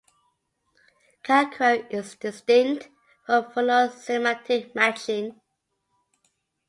Calquing is distinct from phono-semantic matching.